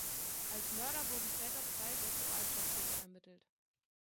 Als Mörder wurden später zwei Sexualstraftäter ermittelt.